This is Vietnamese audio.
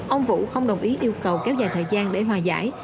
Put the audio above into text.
ông vũ không đồng ý yêu cầu kéo dài thời gian để hòa giải